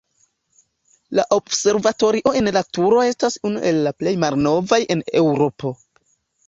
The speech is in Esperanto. La observatorio en la turo estas unu el la plej malnovaj en Eŭropo.